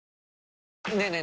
ねえねえ